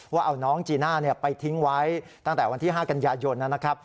ว่าเอาน้องจีน่าไปทิ้งไว้ตั้งแต่วันที่๕กันยายนนะครับ